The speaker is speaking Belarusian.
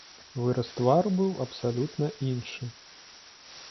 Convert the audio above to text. Выраз твару быў абсалютна іншы.